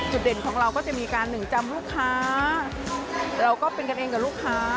เด่นของเราก็จะมีการหนึ่งจำลูกค้าเราก็เป็นกันเองกับลูกค้า